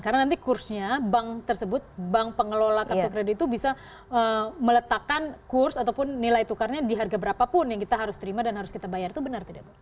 karena nanti kursnya bank tersebut bank pengelola kartu kredit itu bisa meletakkan kurs ataupun nilai tukarnya di harga berapapun yang kita harus terima dan harus kita bayar itu benar tidak bu